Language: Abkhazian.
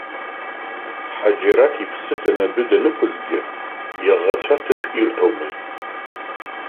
Ҳаџьараҭ иԥсы ҭаны адәы данықәызгьы иаӷацәа ҭыԥ ирҭомызт.